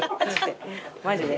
マジで？